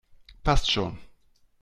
Passt schon